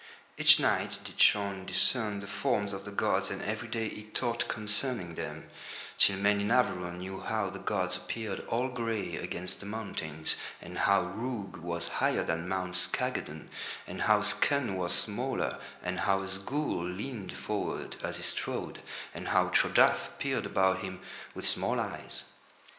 Each night did Shaun discern the forms of the gods and every day he taught concerning them, till men in Averon knew how the gods appeared all grey against the mountains, and how Rhoog was higher than Mount Scagadon, and how Skun was smaller, and how Asgool leaned forward as he strode, and how Trodath peered about him with small eyes.